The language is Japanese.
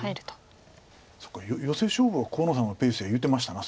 そうかヨセ勝負は河野さんのペースって言うてましたな